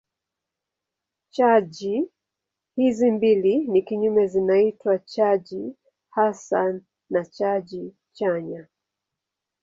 Chaji hizi mbili ni kinyume zinaitwa chaji hasi na chaji chanya.